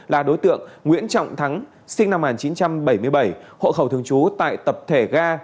là đối tượng nguyễn trọng thắng sinh năm một nghìn chín trăm bảy mươi bảy hộ khẩu thường trú tại tập thể ga